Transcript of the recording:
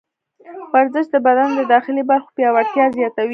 ورزش د بدن د داخلي برخو پیاوړتیا زیاتوي.